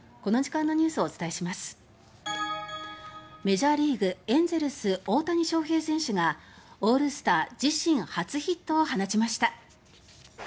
メジャーリーグ、エンゼルス大谷翔平選手がオールスター自身初ヒットを放ちました。